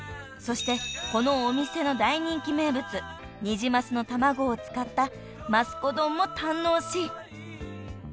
［そしてこのお店の大人気名物ニジマスの卵を使ったますこ丼も堪能し］